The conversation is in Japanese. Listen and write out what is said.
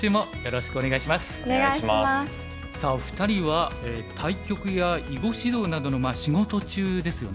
さあお二人は対局や囲碁指導などのまあ仕事中ですよね。